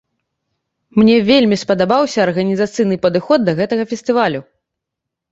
Мне вельмі спадабаўся арганізацыйны падыход да гэтага фестывалю.